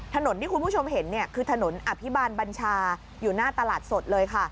ถนนที่คุณผู้ชมเห็นเนี่ยคือถนนอภิบาลบัญชาอยู่หน้าตลาดสดเลยค่ะ